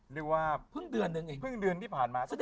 เรียกว่าเพิ่งเดือนที่ผ่านมา